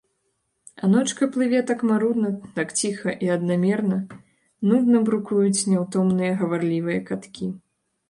А ночка плыве так марудна, так ціха і аднамерна, нудна брукуюць няўтомныя гаварлівыя каткі.